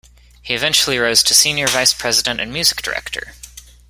He eventually rose to Senior Vice-President and Music Director.